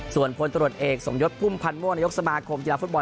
ส่วนพลตรวจเอกสมยศพุ่มพันธ์ม่วงนายกสมาคมกีฬาฟุตบอล